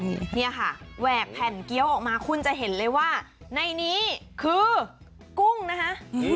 นี่เนี่ยค่ะแหวกแผ่นเกี้ยวออกมาคุณจะเห็นเลยว่าในนี้คือกุ้งนะคะ